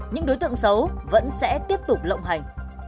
những đối tượng xấu vẫn sẽ tiếp tục lộng hành